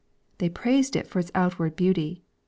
They praised it for its outward beauty.